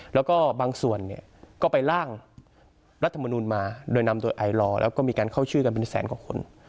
แล้วก็บางส่วนเนี่ยก็ไปล่างรัฐมนุนมาโดยนำโดยไอลอร์แล้วก็มีการเข้าชื่อกันเป็นแสนกว่าคน